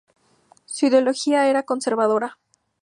Su ideología era conservadora.